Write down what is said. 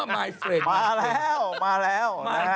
มาแล้วมาแล้ว